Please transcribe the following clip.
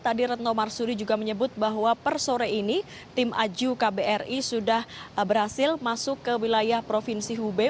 tadi retno marsudi juga menyebut bahwa per sore ini tim aju kbri sudah berhasil masuk ke wilayah provinsi hubei